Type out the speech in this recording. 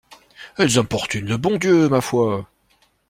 Elles importunent le bon Dieu, ma foi!